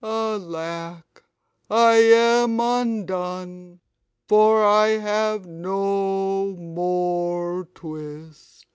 Alack, I am undone, for I have no more twist!"